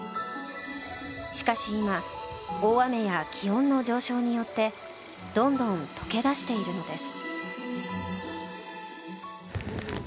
しかし今大雨や気温の上昇によってどんどん溶けだしているのです。